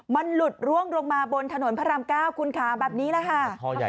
มันหลุดร่วงลงมาบนถนนพระราม๙คุณค่ะแบบนี้แหละค่ะ